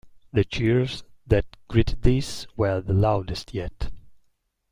The cheers that greeted this were the loudest yet.